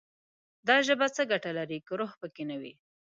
دا ژبه څه ګټه لري، که روح پکې نه وي»